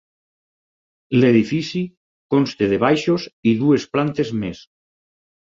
L'edifici consta de baixos i dues plantes més.